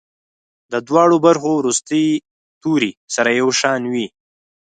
د دواړو برخو وروستي توري سره یو شان وي.